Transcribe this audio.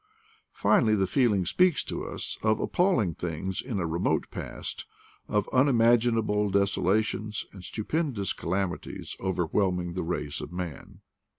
Finally, the feeling speaks to us of appalling things in a remote past, of unimaginable desola tions, and stupendous calamities overwhelming the race of man.